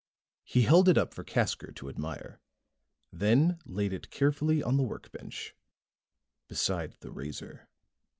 He held it up for Casker to admire, then laid it carefully on the workbench beside the razor.